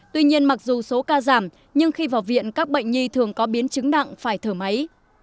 tuy nhiên mặc dù số ca giảm nhưng khi vào viện các bệnh nhi thường có biến chứng nặng phải thở máy